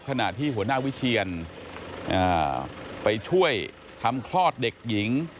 ขณะที่หัวหน้าวิเชียนไปช่วยทำคลอดเด็กหญิง